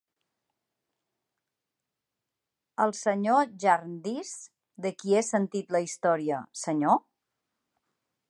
El Sr. Jarndyce de qui he sentit la història, senyor?